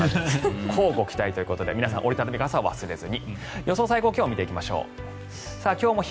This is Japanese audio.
こうご期待ということで折り畳み傘を忘れずに。